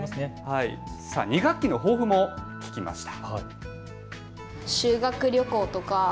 ２学期の抱負も聞きました。